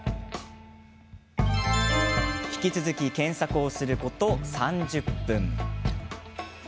引き続き検索をすること３０分。